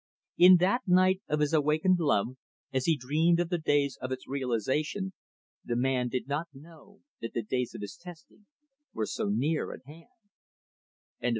In that night of his awakened love, as he dreamed of the days of its realization, the man did not know that the days of his testing were so near at hand.